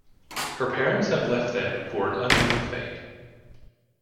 Her parents have left them for an unknown fate.